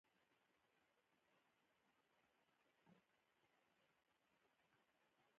هغوی یوځای د محبوب اواز له لارې سفر پیل کړ.